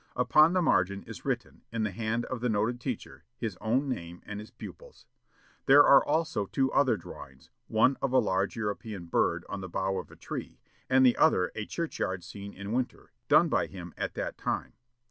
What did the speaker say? Upon the margin is written, in the hand of the noted teacher, his own name and his pupil's. There are also two other drawings, one of a large European bird on the bough of a tree, and the other a church yard scene in winter, done by him at that time.